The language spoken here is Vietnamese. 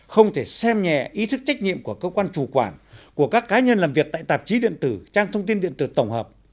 không thể xem nhẹ ý thức trách nhiệm của cơ quan chủ quản của các cá nhân làm việc tại tạp chí điện tử trang thông tin điện tử tổng hợp